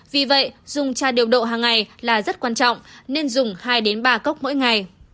vì vậy dùng chai điều độ hàng ngày là rất quan trọng nên dùng hai ba cốc mỗi ngày